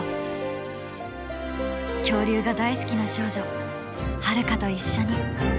恐竜が大好きな少女ハルカと一緒に。